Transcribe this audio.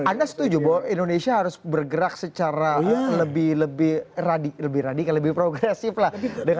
anda setuju bahwa indonesia harus bergerak secara lebih radikal lebih progresif lah